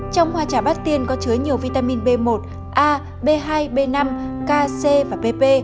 trong hoa trà bát tiên có chứa nhiều vitamin b một a b hai b năm k c và bp